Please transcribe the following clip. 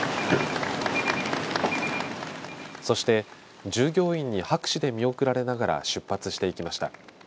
そして従業員に拍手で見送られながら出発していきました。